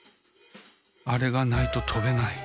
あれがないととべない。